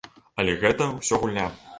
Але гэта ўсё гульня.